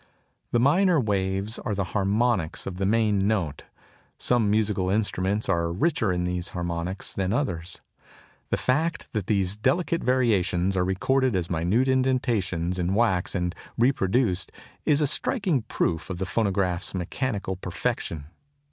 The minor waves are the harmonics of the main note. Some musical instruments are richer in these harmonics than others. The fact that these delicate variations are recorded as minute indentations in the wax and reproduced is a striking proof of the phonograph's mechanical perfection.